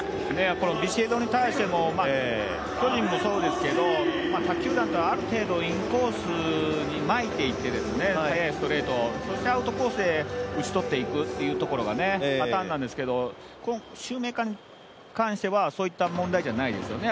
このビシエドに対しても、巨人もそうですけど他球団が、ある程度インコースにまいていって、早いストレートそしてアウトコースへ打ち取っていくっていうところがパターンなんですけどシューメーカーについてはそういう感じじゃないですね。